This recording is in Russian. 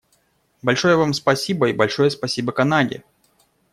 Большое Вам спасибо и большое спасибо Канаде.